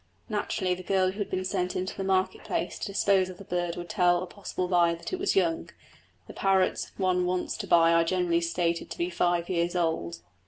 Naturally, the girl who had been sent into the market place to dispose of the bird would tell a possible buyer that it was young; the parrots one wants to buy are generally stated to be five years old.